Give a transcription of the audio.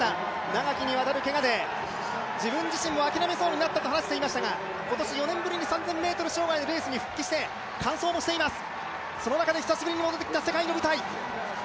長きにわたるけがで自分自身も諦めそうになったと話していましたが今年４年ぶりに３０００ｍ障害のレースに復帰して完走もしています、その中で久しぶりに戻ってきた世界の舞台。